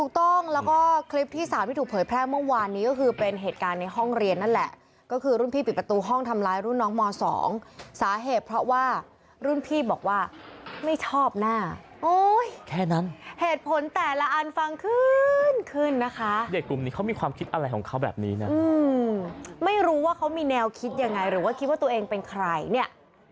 ต้องแล้วก็คลิปที่สามที่ถูกเผยแพร่เมื่อวานนี้ก็คือเป็นเหตุการณ์ในห้องเรียนนั่นแหละก็คือรุ่นพี่ปิดประตูห้องทำร้ายรุ่นน้องม๒สาเหตุเพราะว่ารุ่นพี่บอกว่าไม่ชอบหน้าแค่นั้นเหตุผลแต่ละอันฟังขึ้นขึ้นนะคะเด็กกลุ่มนี้เขามีความคิดอะไรของเขาแบบนี้นะไม่รู้ว่าเขามีแนวคิดยังไงหรือว่าคิดว่าตัวเองเป็นใครเนี่ย